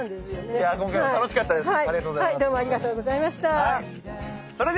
いや今回も楽しかったですね。